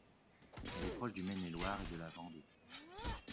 Elle est proche du Maine-et-Loire et de la Vendée.